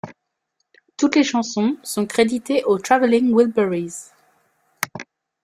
Toutes les chansons sont créditées aux Traveling Wilburys.